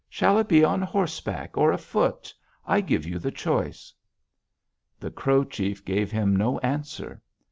Shall it be on horseback or afoot? I give you the choice.' "The Crow chief gave him no answer.